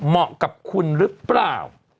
เหมาะกับคุณหรือเปล่า